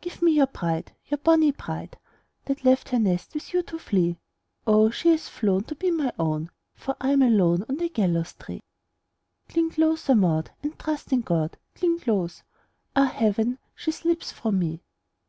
"Give me your bride, your bonnie bride, That left her nest with you to flee! O, she hath flown to be my own, For I'm alone on the gallows tree!" "Cling closer, Maud, and trust in God! Cling close! Ah, heaven, she slips from me!"